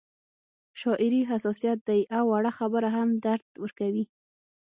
شاعري حساسیت دی او وړه خبره هم درد ورکوي